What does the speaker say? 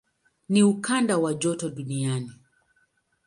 Ni ukanda wa joto duniani.